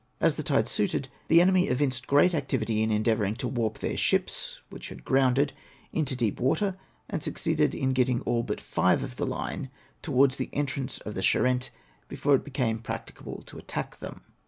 As the tide suited, the enemy evinced great activity in endeavouring to warp their ships (which had grounded) into deep water, and succeeded in getting all but five of the line towards the entrance of the Charente before it became prac ticable to attack them.